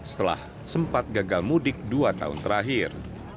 setelah sempat gagal mudik dua tahun terakhir